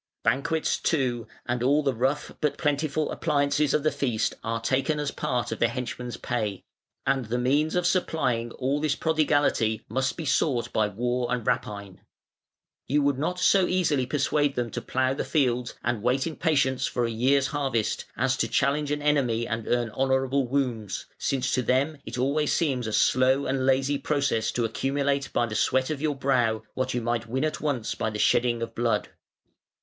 Banquets, too, and all the rough but plentiful appliances of the feast are taken as part of the henchman's pay; and the means of supplying all this prodigality must be sought by war and rapine. You would not so easily persuade them to plough the fields and wait in patience for a year's harvest, as to challenge an enemy and earn honourable wounds; since to them it seems always a slow and lazy process to accumulate by the sweat of your brow what you might win at once by the shedding of blood".